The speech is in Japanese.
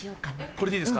これでいいですか？